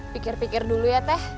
pikir pikir dulu ya teh